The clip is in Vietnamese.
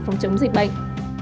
phòng chống dịch bệnh